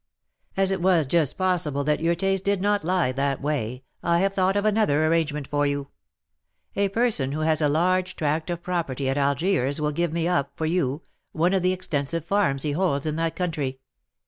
"As it was just possible that your taste did not lie that way, I have thought of another arrangement for you. A person who has a large tract of property at Algiers will give me up, for you, one of the extensive farms he holds in that country.